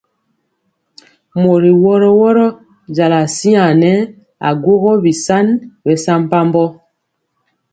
Mɔri wɔro wɔro jala siaŋg nɛ aguógó bisaŋi bɛsampabɔ.